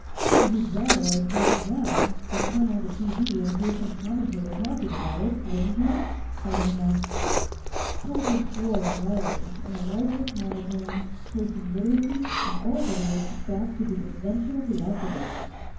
"You'd rather I told you, now, than turn on the TV and hear some commentator talking about it, wouldn't you?" Cardon asked. Pelton swore vilely, in a lifeless monotone, cursing Literacy, and all Literates back to the invention of the alphabet.